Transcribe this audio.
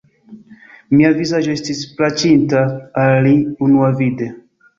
Mia vizaĝo estis plaĉinta al li unuavide.